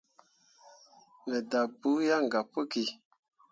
Me dahɓɓe buu yan gah puki.